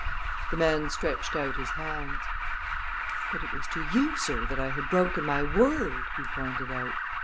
The man stretched out his hands. "But it was to you, sir, that I had broken my word!" he pointed out.